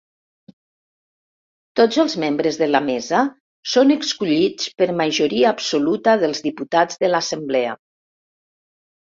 Tots els membres de la mesa són escollits per majoria absoluta dels diputats de l'Assemblea.